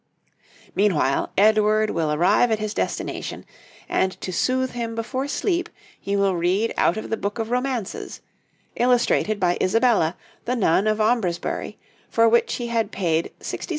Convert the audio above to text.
Meanwhile Edward will arrive at his destination, and to soothe him before sleep, he will read out of the book of romances, illustrated by Isabella, the nun of Aumbresbury, for which he had paid £66 13s.